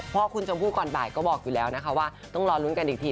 พ่อคุณชมพู่ก่อนบ่ายก็บอกอยู่แล้วนะคะว่าต้องรอลุ้นกันอีกที